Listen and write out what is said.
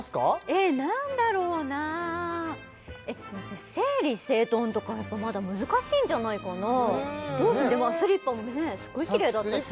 えっ何だろうな整理整頓とかやっぱまだ難しいんじゃないかなでもスリッパもすごいキレイだったし